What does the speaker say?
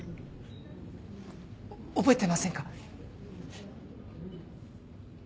覚えてませんか？